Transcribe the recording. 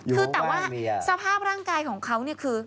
คือแต่ว่าสภาพร่างกายของเขาเนี่ยคือ